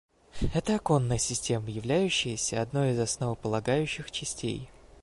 Это оконная система, являющаяся одной из основополагающих частей